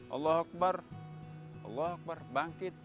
allah akbar bangkit